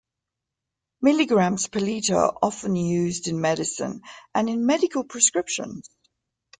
Milligrams per litre are often used in medicine and in medical prescriptions.